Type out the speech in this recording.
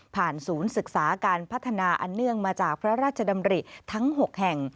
ศูนย์ศึกษาการพัฒนาอันเนื่องมาจากพระราชดำริทั้ง๖แห่ง